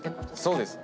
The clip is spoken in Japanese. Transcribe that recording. そうです。